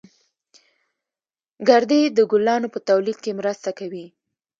گردې د ګلانو په تولید کې مرسته کوي